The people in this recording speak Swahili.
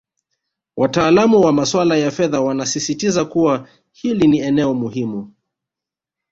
Wataalamu wa masuala ya fedha wanasisitiza kuwa hili ni eneo muhimu